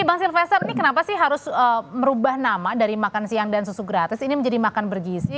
bang sylvester kenapa harus merubah nama dari makan siang dan susu gratis menjadi makan bergizi